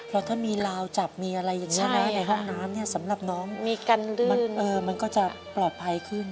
แล้วถ้ามีลาวจับมีอะไรอย่างนี้นะในห้องน้ำเนี่ยสำหรับน้องมันก็จะปลอดภัยขึ้น